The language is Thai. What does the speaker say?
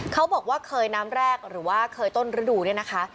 เขาบอกว่าเคยน้ำแรกหรือว่าเคยต้นฤดูเนี่ยนะคะ